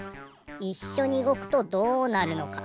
いっしょにうごくとどうなるのか。